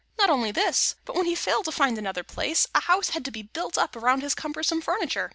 Not only this, but when he failed to find another place, a house had to be built up around his cumbersome furniture.